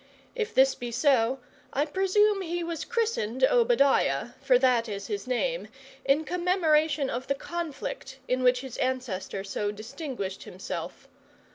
If this be so, I presumed he was christened Obadiah, for that is his name, in commemoration of the conflict in which his ancestor so distinguished himself.